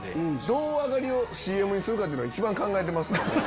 どう上がりをＣＭにするかって一番考えてます。